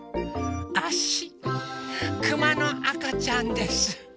あしくまのあかちゃんです。